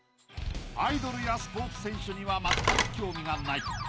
アイドルやスポーツ選手にはまったく興味がない。